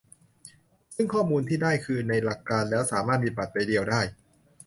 ซึ่งข้อมูลที่ได้คือในหลักการแล้วสามารถมีบัตรใบเดียวได้